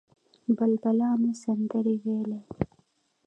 بلبلانو سندرې ویلې.